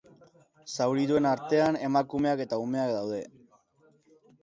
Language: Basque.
Zaurituen artean emakumeak eta umeak daude.